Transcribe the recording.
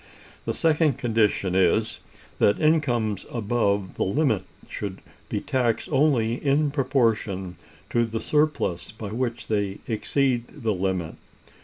The second condition is, that incomes above the limit should be taxed only in proportion to the surplus by which they exceed the limit.